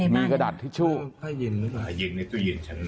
เสื้อดันทิชชู่